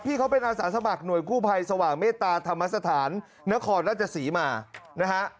เขาเป็นอาสาสมัครหน่วยกู้ภัยสว่างเมตตาธรรมสถานนครราชศรีมานะฮะ